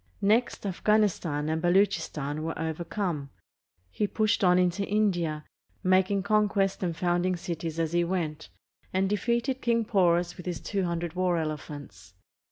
Next, Afghanistan and Baluchistan were overcome. He pushed on into India, making conquests and founding cities as he went, and defeated King Porus with his two hundred war elephants.